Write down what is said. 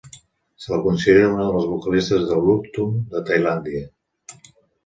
Se la considera una de les vocalistes de Luk Thung de Tailàndia.